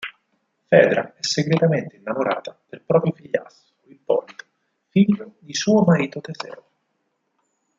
Fedra è segretamente innamorata del proprio figliastro, Ippolito, figlio di suo marito Teseo.